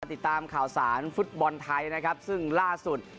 ติดตามข่าวสารฟุตบอลไทยนะครับซึ่งล่าสุด